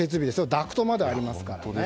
ダクトまでありますから。